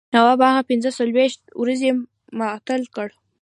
نواب هغه پنځه څلوېښت ورځې معطل کړ.